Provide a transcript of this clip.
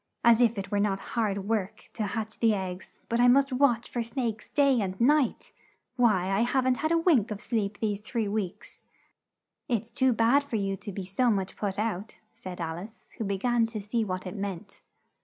As if it were not hard work to hatch the eggs, but I must watch for snakes night and day! Why I haven't had a wink of sleep these three weeks!" "It's too bad for you to be so much put out," said Al ice, who be gan to see what it meant.